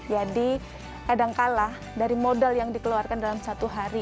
jadi kadangkala dari modal yang dikeluarkan dalam satu hari